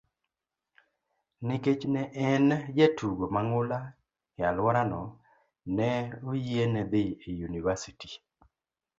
Nikech ne en jatugo mang'ula e alworano, ne oyiene dhi e yunivasiti.